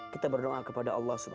kita berdoa kepada allah